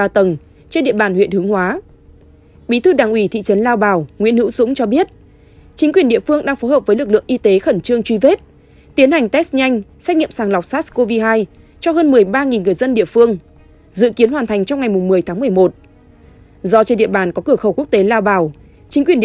tạm dừng hoạt động giáo dục trên địa bàn thị trấn lao bào để phòng chống dịch covid một mươi chín